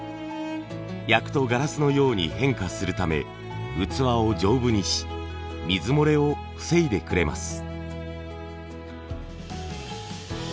焼くとガラスのように変化するため器を丈夫にし水漏れを防いでくれます。